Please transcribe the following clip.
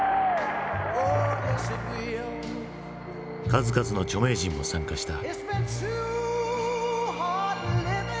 数々の著名人も参加した。